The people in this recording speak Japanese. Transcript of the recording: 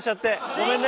ごめんね。